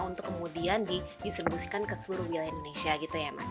untuk kemudian didistribusikan ke seluruh wilayah indonesia gitu ya mas